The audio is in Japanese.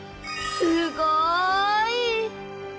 すごい！